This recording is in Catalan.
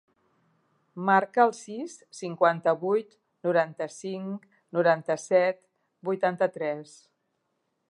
Marca el sis, cinquanta-vuit, noranta-cinc, noranta-set, vuitanta-tres.